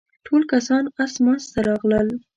ټول کسان اسماس ته راغلل.